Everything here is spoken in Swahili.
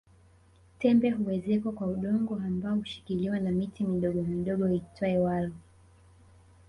Tembe huezekwa kwa udongo ambao hushikiliwa na miti midogomidogo iitwayo walo